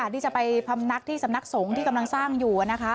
ที่จะไปพำนักที่สำนักสงฆ์ที่กำลังสร้างอยู่